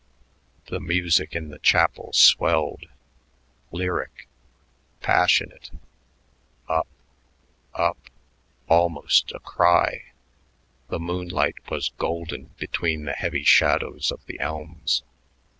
The music in the chapel swelled, lyric, passionate up! up! almost a cry. The moonlight was golden between the heavy shadows of the elms.